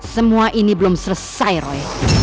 semua ini belum selesai roy